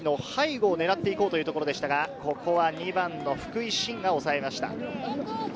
ロングボール、塩貝の背後を狙っていこうというところでしたが、ここは２番の福井槙がおさえました。